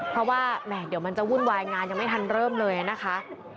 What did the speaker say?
เพราะว่าแหมเดี๋ยวมันจะวุ่นวายงานยังไม่ทันเริ่มเลยนะคะ